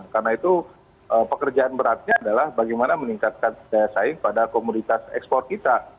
karena itu pekerjaan beratnya adalah bagaimana meningkatkan daya saing pada komoditas ekspor kita